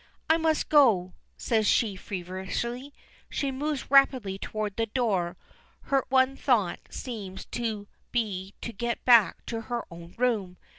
"I must go," says she feverishly. She moves rapidly toward the door; her one thought seems to be to get back to her own room.